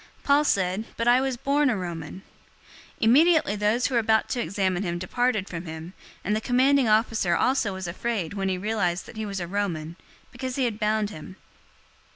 Paul said, "But I was born a Roman." 022:029 Immediately those who were about to examine him departed from him, and the commanding officer also was afraid when he realized that he was a Roman, because he had bound him.